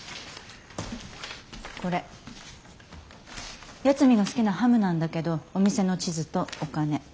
これ八海が好きなハムなんだけどお店の地図とお金。